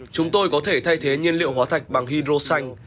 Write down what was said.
chúng tôi có thể thay thế nhiên liệu hóa thạch bằng hydro xanh